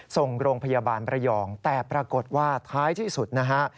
ส่งโรงพยาบาลประยองแต่ปรากฏว่าท้ายที่สุดนะฮะ